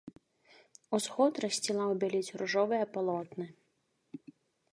Усход рассцілаў бяліць ружовыя палотны.